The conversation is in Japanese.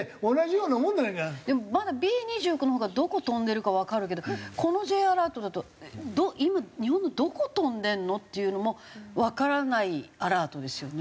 でもまだＢ２９のほうがどこ飛んでるかわかるけどこのＪアラートだと今日本のどこ飛んでるの？っていうのもわからないアラートですよね。